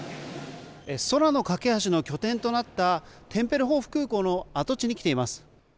空のかけ橋の拠点となったテンペルホーフ空港の跡地に来ています。